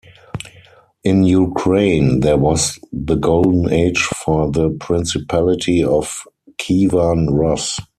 In Ukraine, there was the golden age for the principality of Kievan Rus.